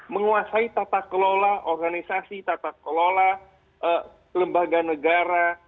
menguasai tata kelola organisasi tata kelola lembaga negara